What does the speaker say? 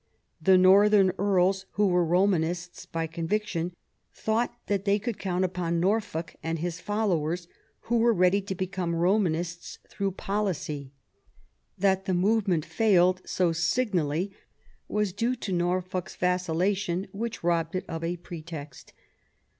The northern Earls, who were Romanists by conviction, thought that they could count upon Norfolk and his followers, who were ready to become Romanists through policy. That the movement failed so signally was due to Norfolk's vacillation, which robbed it of a pretext.